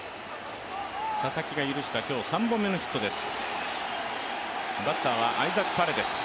佐々木が許した今日３本目のヒットです。